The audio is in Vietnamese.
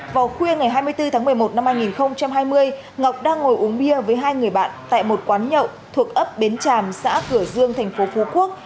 vào khuya ngày hai mươi bốn tháng một mươi một năm hai nghìn hai mươi ngọc đang ngồi uống bia với hai người bạn tại một quán nhậu thuộc ấp bến tràm xã cửa dương tp phú quốc